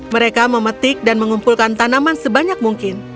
mereka memetik dan mengumpulkan tanaman sebanyak mungkin